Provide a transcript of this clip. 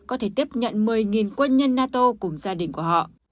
có thể tiếp nhận một mươi quân nhân nato cùng gia đình của họ